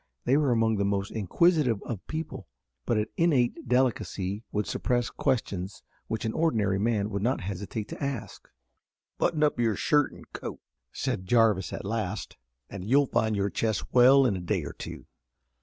They were among the most inquisitive of people, but an innate delicacy would suppress questions which an ordinary man would not hesitate to ask. "Button up your shirt an' coat," said Jarvis at last, "an' you'll find your chest well in a day or two.